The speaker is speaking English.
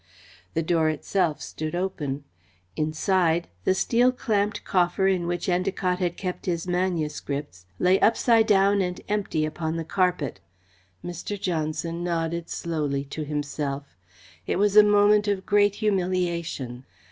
The door itself stood open. Inside, the steel clamped coffer in which Endacott had kept his manuscripts lay upside down and empty upon the carpet. Mr. Johnson nodded slowly to himself. It was a moment of great humiliation.